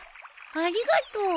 ありがとう。